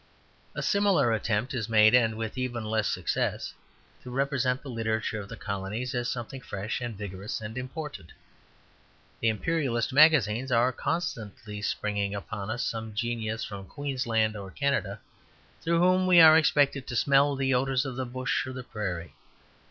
A similar attempt is made, and with even less success, to represent the literature of the colonies as something fresh and vigorous and important. The imperialist magazines are constantly springing upon us some genius from Queensland or Canada, through whom we are expected to smell the odours of the bush or the prairie.